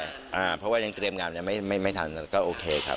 เพราะว่ายังเตรียมงานยังไม่ทันก็โอเคครับ